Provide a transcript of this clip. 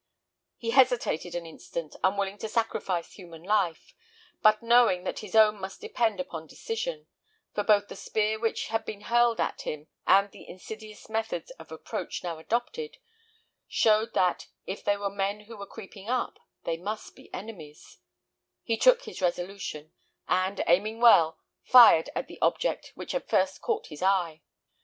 He hesitated an instant, unwilling to sacrifice human life; but knowing that his own must depend upon decision for both the spear which had been hurled at him, and the insidious method of approach now adopted, showed that, if they were men who were creeping up, they must be enemies he took his resolution, and, aiming well, fired at the object which had first caught his eye.